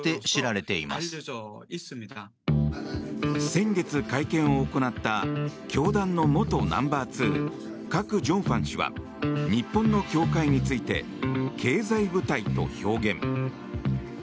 先月、会見を行った教団の元ナンバーツーカク・ジョンファン氏は日本の教会について経済部隊と表現。